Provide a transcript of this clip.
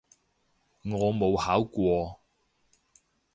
我冇考過